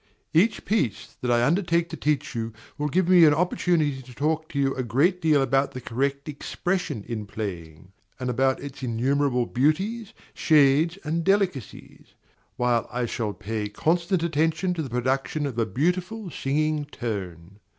Each piece that I undertake to teach you will give me an opportunity to talk to you a great deal about the correct expression in playing, and about its innumerable beauties, shades, and delicacies; while I shall pay constant attention to the production of a beautiful singing tone.